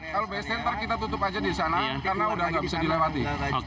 kalau bst ntar kita tutup aja di sana karena udah nggak bisa dilewati